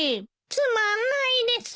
つまんないです。